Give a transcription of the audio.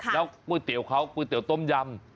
แล้วก๋วยเตี๋ยวเขาก๋วยเตี๋ยวต้มยำ